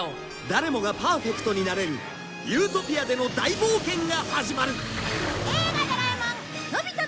誰もがパーフェクトになれるユートピアでの大冒険が始まる